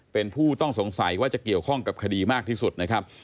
เป็นผู้ต้องสงสัยว่าจะเกี่ยวข้องกับคดีมากที่สุดนะครับ